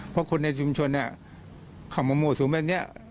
เพราะคนในชุมชนเข้ามาโหมดสูงแบบนี้